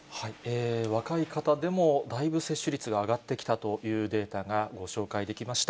若い方でもだいぶ接種率が上がってきたというデータがご紹介できました。